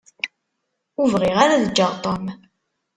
Ur bɣiɣ ara ad ǧǧeɣ Tom.